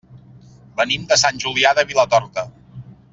Venim de Sant Julià de Vilatorta.